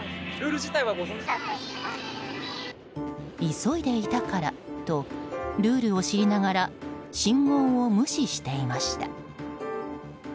急いでいたからとルールを知りながら信号を無視していました。